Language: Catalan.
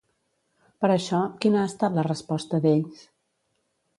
Per això, quina ha estat la resposta d'ells?